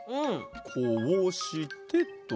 こうしてと。